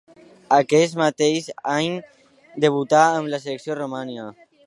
Aquest mateix any debutà amb la selecció de Romania.